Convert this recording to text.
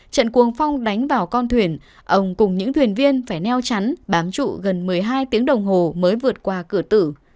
trận cuồng phong đánh vào con thuyền ông cùng những thuyền viên phải neo chắn bám trụ gần một mươi hai tiếng đồng hồ mới vượt qua cửa tử